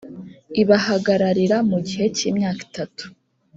ibahagararira mu gihe cy ‘imyaka itatu .